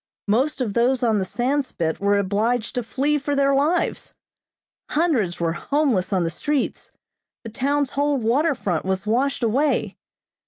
Most of those on the Sandspit were obliged to flee for their lives. Hundreds were homeless on the streets. The town's whole water front was washed away.